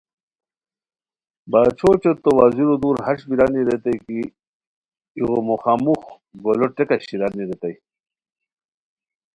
باچھو اوچے تو وزیرو دور ہَݰ بیرانی ریتائے کی ایغو موخاموخ گولو ٹیکہ شیرانی ریتائے